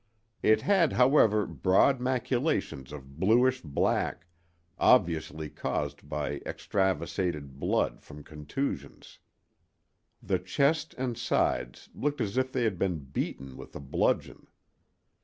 It had, however, broad maculations of bluish black, obviously caused by extravasated blood from contusions. The chest and sides looked as if they had been beaten with a bludgeon.